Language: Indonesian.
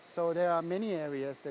semua perlengkapan anda